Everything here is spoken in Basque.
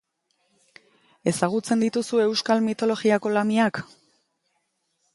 Ezagutzen dituzu euskal mitologiako lamiak?